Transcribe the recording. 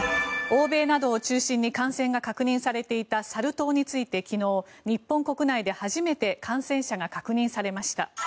欧米などを中心に感染が確認されていたサル痘について昨日、日本国内で初めて感染者が確認されました。